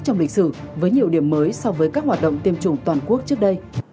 trong lịch sử với nhiều điểm mới so với các hoạt động tiêm chủng toàn quốc trước đây